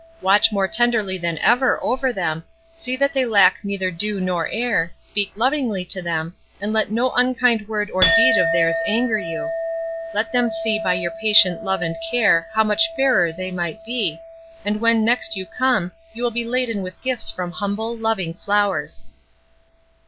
Watch more tenderly than ever over them, see that they lack neither dew nor air, speak lovingly to them, and let no unkind word or deed of theirs anger you. Let them see by your patient love and care how much fairer they might be, and when next you come, you will be laden with gifts from humble, loving flowers."